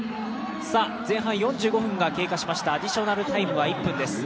前半４５分が経過しました、アディショナルタイムです。